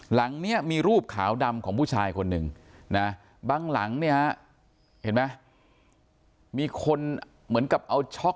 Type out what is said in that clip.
หลังนี้มีรูปขาวดำของผู้ชายคนหนึ่งนะบางหลังเนี่ยเห็นไหมมีคนเหมือนกับเอาช็อก